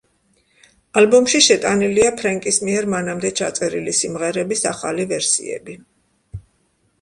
ალბომში შეტანილია ფრენკის მიერ მანამდე ჩაწერილი სიმღერების ახალი ვერსიები.